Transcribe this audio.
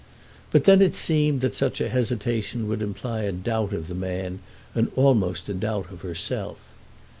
But then it seemed that such a hesitation would imply a doubt of the man, and almost a doubt of herself.